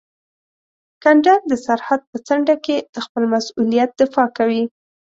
کنډک د سرحد په څنډه کې د خپل مسؤلیت دفاع کوي.